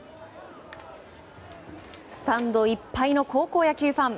スタンドいっぱいの高校野球ファン。